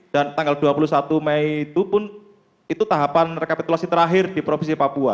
dan tanggal dua puluh satu mei itu pun itu tahapan rekapitulasi terakhir di provinsi papua